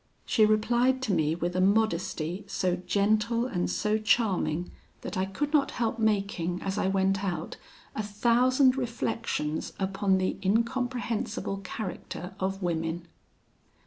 She replied to me with a modesty so gentle and so charming that I could not help making, as I went out, a thousand reflections upon the incomprehensible character of women.